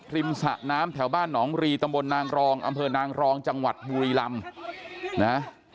สะน้ำแถวบ้านหนองรีตำบลนางรองอำเภอนางรองจังหวัดบุรีลำนะ